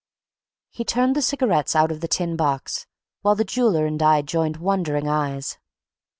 He turned the cigarettes out of the tin box, while the jeweller and I joined wondering eyes.